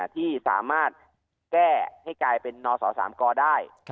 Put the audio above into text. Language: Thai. ที่สามารถแก้ให้กลายเป็นนศ๓กได้